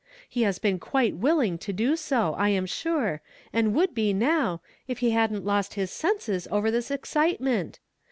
He has been quite willing to do so, I am sure, and would be now, if he hadn't lost his senses over this ex citement.